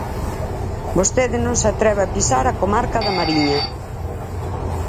Vostede non se atreve a pisar a comarca da Mariña.